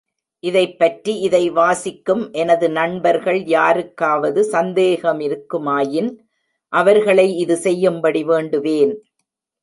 இதைப்பற்றி இதை வாசிக்கும் எனது நண்பர்கள் யாருக்காவது சந்தேகமிருக்குமாயின் அவர்களை இது செய்யும்படி வேண்டுவேன்.